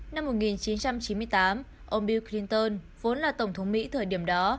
năm một nghìn chín trăm chín mươi tám ông bill clinton vốn là tổng thống mỹ thời điểm đó